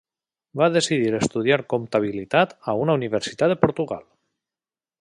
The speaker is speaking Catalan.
Va decidir estudiar Comptabilitat a una universitat de Portugal.